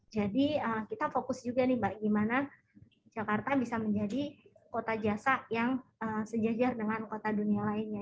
jadi kita fokus juga nih mbak gimana jakarta bisa menjadi kota jasa yang sejajar dengan kota dunia lainnya